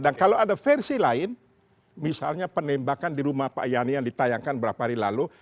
dan kalau ada versi lain misalnya penembakan di rumah pak yani yang ditayangkan beberapa hari lalu